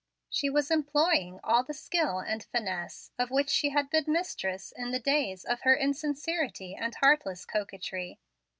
She was employing all the skill and finesse of which she had been mistress in the days of her insincerity and heartless coquetry.